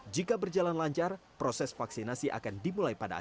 jika berjalan lancar proses vaksinasi akan dimulai pada akhir